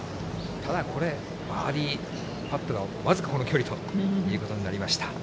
ただ、これ、バーディーパットが僅か、この距離ということになりました。